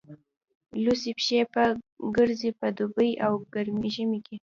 لوڅې پښې به ګرځېد په دوبي او ژمي کې.